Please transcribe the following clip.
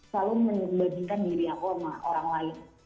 selalu membandingkan diri aku sama orang lain